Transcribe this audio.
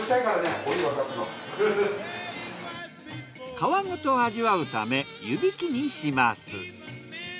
皮ごと味わうため湯引きにします。